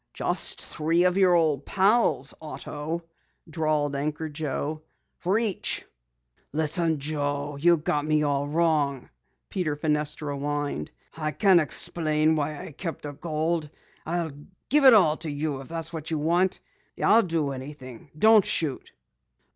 "Just three of your old pals, Otto," drawled Anchor Joe. "Reach!" "Listen, Joe, you got me all wrong," Peter Fenestra whined. "I can explain why I kept the gold. I'll give it all to you if that's what you want. I'll do anything don't shoot."